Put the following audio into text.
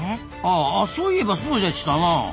あそういえばそうでしたなあ。